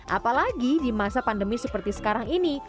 apalagi di masa pandemi seperti sekarang ini